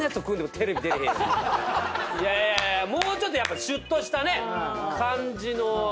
もうちょっとやっぱしゅっとした感じの。